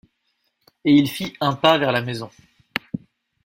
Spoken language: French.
Et il fit un pas vers la maison.